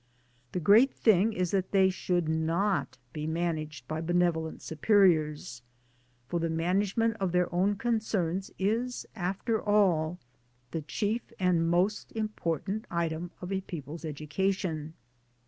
The great thing is that they should not be managed by benevolent superiors, for the management of their own concerns is after all the chief and most im portant item of a people's education.